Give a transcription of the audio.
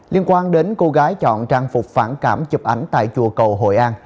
liên quan đến cô gái chọn trang phục phản cảm chụp ảnh tại chùa cầu hội an